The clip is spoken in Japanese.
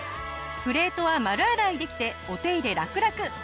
プレートは丸洗いできてお手入れラクラク。